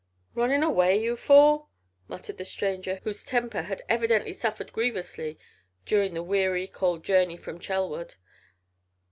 "Running away, you fool!" muttered the stranger, whose temper had evidently suffered grievously during the weary, cold journey from Chelwood.